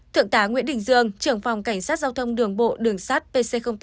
thượng tá nguyễn đình dương trưởng phòng cảnh sát giao thông đường bộ đường sát pc tám